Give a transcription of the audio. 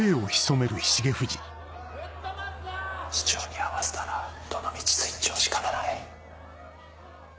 市長に会わせたらどのみちスイッチを押しかねない。